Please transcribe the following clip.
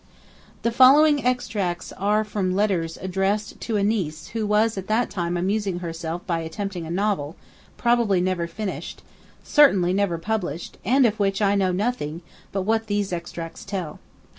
The following extracts are from letters addressed to a niece who was at that time amusing herself by attempting a novel, probably never finished, certainly never published, and of which I know nothing but what these extracts tell.